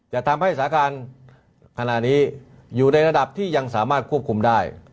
จะทำให้สถานการณ์ขณะนี้อยู่ในระดับที่ยังสามารถควบคุมได้